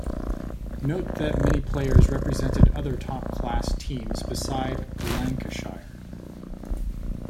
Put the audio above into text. Note that many players represented other top-class teams besides Lancashire.